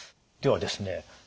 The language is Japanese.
ではですね